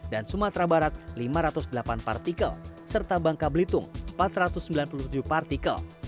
dan sumatera barat lima ratus delapan partikel serta bangka belitung empat ratus sembilan puluh tujuh partikel